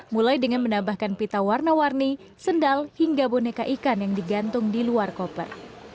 mulai dengan menambahkan pita warna warni sendal hingga boneka ikan yang digantung di luar koper